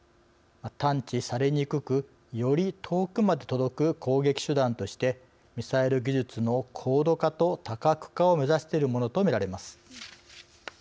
探知されにくくより遠くまで届く攻撃手段としてミサイル技術の高度化と多角化を目指しているものとみられます。